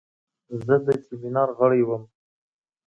زه د سیمینار غړی وم.